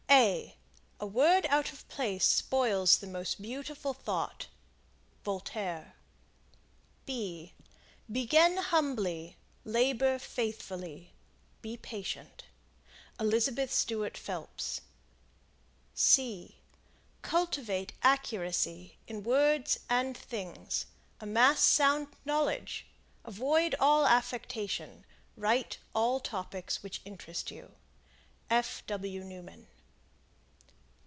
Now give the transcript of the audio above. A word out of place spoils the most beautiful thought. Voltaire. Begin humbly. Labor faithfully. Be patient. Elizabeth Stuart Phelps. Cultivate accuracy in words and things; amass sound knowledge; avoid all affectation; write all topics which interest you. F. W. Newman.